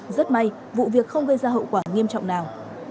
rất may vụ việc không gây ra hậu quả nghiêm trọng nào